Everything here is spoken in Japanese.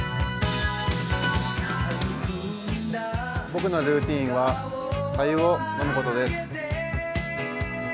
僕のルーチンは白湯を飲むことです。